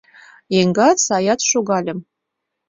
Еҥгат саят — шогальым